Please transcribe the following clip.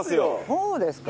そうですか？